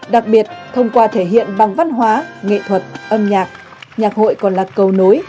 đặc biệt thông qua thể hiện bằng văn hóa nghệ thuật âm nhạc nhạc hội còn là cầu nối